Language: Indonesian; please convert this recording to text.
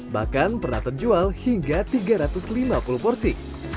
bahkan pernah terjual hingga tiga ratus lima puluh porsi